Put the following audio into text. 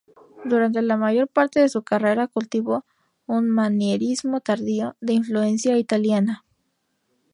Durante la mayor parte de su carrera cultivó un manierismo tardío, de influencia italiana.